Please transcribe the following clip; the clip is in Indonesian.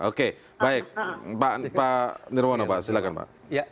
oke baik pak nirwono silahkan pak